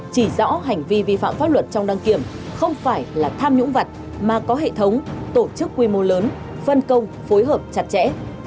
chỉ rõ hành vi vi phạm pháp luật trong đăng kiểm không phải là tham nhũng vật mà có hệ thống tổ chức quy mô lớn phân công phối hợp chặt chẽ